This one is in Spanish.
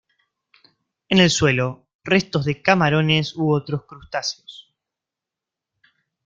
En el suelo, restos de camarones u otros crustáceos.